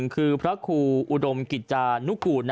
คือพระครูอุดมกิจจานุกูล